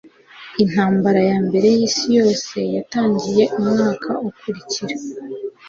Intambara ya Mbere y'Isi Yose yatangiye umwaka ukurikira.